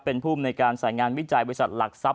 เป็นภูมิในการสายงานวิจัยบริษัทหลักทรัพย